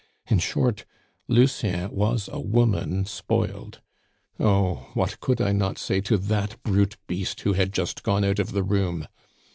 In short, Lucien was a woman spoiled. Oh! what could I not say to that brute beast who had just gone out of the room!